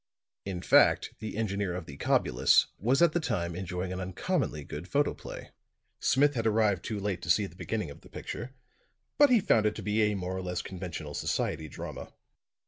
In fact, the engineer of the Cobulus was at the time enjoying an uncommonly good photoplay. Smith had arrived too late to see the beginning of the picture; but he found it to be a more or less conventional society drama.